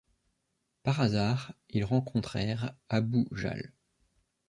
Par hasard, ils rencontrèrent Abu Jahl.